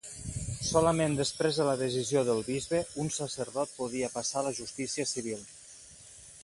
Solament després de la decisió del bisbe un sacerdot podia passar a la justícia civil.